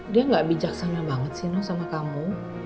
dia gak bijaksana banget sino sama kamu